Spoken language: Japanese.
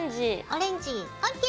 オレンジＯＫ！